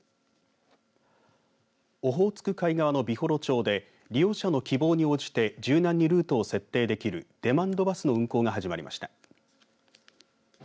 オホーツク海側の美幌町で利用者の希望に応じて柔軟にルートを設定できるデマンドバスの運行が始まりました。